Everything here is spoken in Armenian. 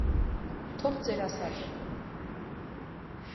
Թող ձեր ասածը լինի: